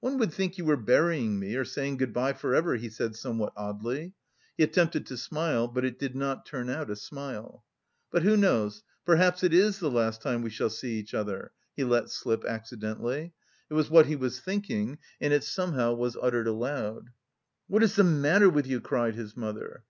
"One would think you were burying me or saying good bye for ever," he said somewhat oddly. He attempted to smile, but it did not turn out a smile. "But who knows, perhaps it is the last time we shall see each other..." he let slip accidentally. It was what he was thinking, and it somehow was uttered aloud. "What is the matter with you?" cried his mother.